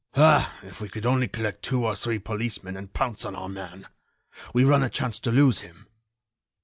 Ah! if we could only collect two or three policemen and pounce on our man! We run a chance to lose him."